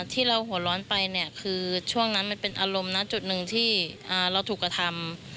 ที่เราหัวร้อนไปเนี่ยคือช่วงนั้นมันเป็นอารมณ์นะจุดหนึ่งที่เราถูกกระทำ